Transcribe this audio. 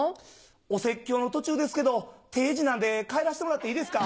お説教の途中ですけど定時なんで帰らせてもらっていいですか？